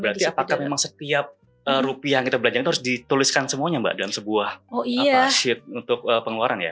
berarti apakah memang setiap rupiah yang kita belanjakan itu harus dituliskan semuanya mbak dalam sebuah sheet untuk pengeluaran ya